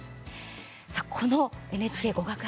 さあ、この「ＮＨＫゴガク」